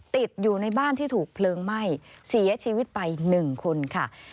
ติดอยู่ในบ้านที่ถูกเพลิงไหม้เสียชีวิตไป๑คนค่ะ